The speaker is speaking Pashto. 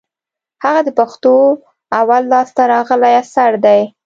هغه د پښتو اول لاس ته راغلى اثر دئ.